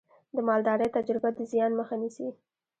د مالدارۍ تجربه د زیان مخه نیسي.